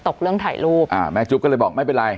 เรื่องถ่ายรูปอ่าแม่จุ๊บก็เลยบอกไม่เป็นไร